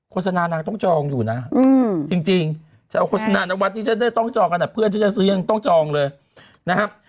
สนานางต้องจองอยู่นะจริงจะเอาโฆษณานวัดที่ฉันได้ต้องจองขนาดเพื่อนฉันจะซื้อยังต้องจองเลยนะครับ